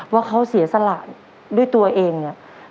ว่าเขาเสียสละด้วยตัวเองเนี่ย